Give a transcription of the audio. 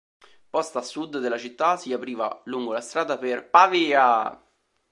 Posta a sud della città, si apriva lungo la strada per Pavia.